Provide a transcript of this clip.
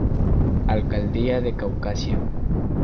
Alcaldía de Caucasia.